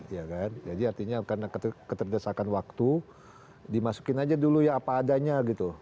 ya kan jadi artinya karena keterdesakan waktu dimasukin aja dulu ya apa adanya gitu